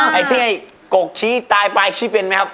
ไอ้ที่ไอ้กกชี้ตายปลายชี้เป็นไหมครับ